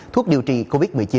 thuốc điều trị covid một mươi chín